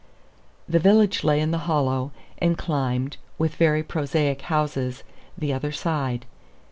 The village lay in the hollow, and climbed, with very prosaic houses, the other side.